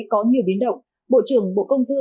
có nhiều biến động bộ trưởng bộ công tư